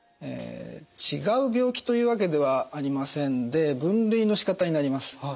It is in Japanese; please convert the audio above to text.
違う病気というわけではありませんで分類のしかたになります。